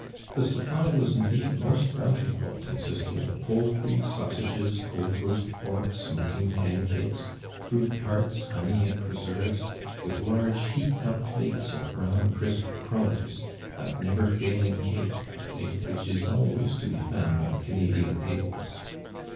TJie sui)ply was indeed most bountiful, consisting of poultry, sausages, cold roast pork, smoking pan cakes, fruit tart,s, honey ami preserves, with huge heaped up plates of brown crisp crullers, that never failing cake, a plate of which is always to \)o found _on Canadian tables.